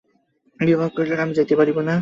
বিভা কহিল, না, আমি যাইতে পারিব না।